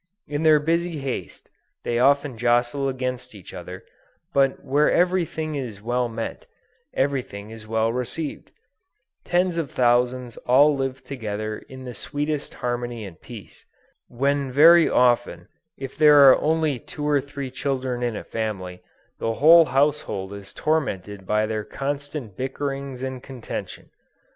In their busy haste they often jostle against each other, but where every thing is well meant, every thing is well received: tens of thousands all live together in the sweetest harmony and peace, when very often if there are only two or three children in a family, the whole household is tormented by their constant bickerings and contention.